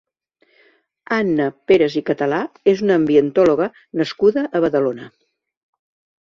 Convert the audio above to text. Anna Pérez i Català és una ambientòloga nascuda a Badalona.